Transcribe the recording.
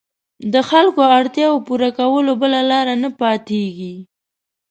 د خلکو اړتیاوو پوره کولو بله لاره نه پاتېږي.